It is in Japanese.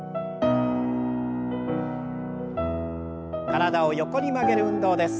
体を横に曲げる運動です。